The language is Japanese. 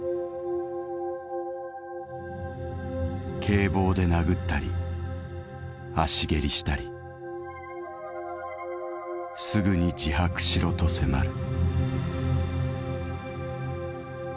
「警棒で殴ったり足蹴りしたり『すぐに自白しろ』と迫る」。